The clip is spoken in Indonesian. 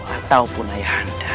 ataupun ayah anda